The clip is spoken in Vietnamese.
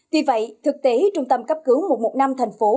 vì vậy thực tế trung tâm cấp cứu một trăm một mươi năm thành phố